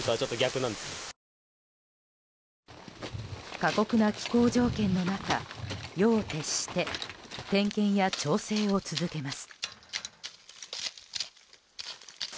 過酷な気候条件の中夜を徹して点検や調整を続けます。